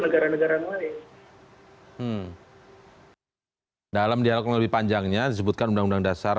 negara negara lain hai hai hai dalam nemu panjang yang disebutkan undang undang dasar empat puluh lima